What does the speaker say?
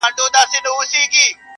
شیطان په زور نیولی!!